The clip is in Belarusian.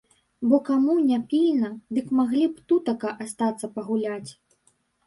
Бо каму не пільна, дык маглі б тутака астацца пагуляць.